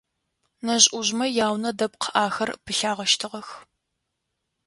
Нэжъ-ӏужъмэ яунэ дэпкъ ахэр пылъагъэщтыгъэх.